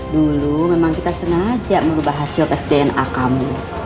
dulu memang kita sengaja merubah hasil tes dna kamu